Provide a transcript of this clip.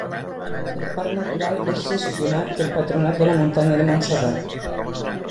El Parc Natural és gestionat pel Patronat de la Muntanya de Montserrat.